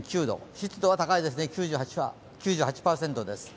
湿度は高いですね、９８％です。